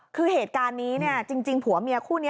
คือเหตุการณ์นี้เนี่ยจริงผัวเมียคู่นี้